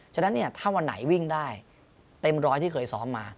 ฉะนั้นเนี่ยถ้าวันไหนวิ่งได้เต็มร้อยที่เคยซ้อมมา